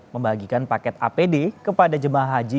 membagikan paket apd kepada jemaah haji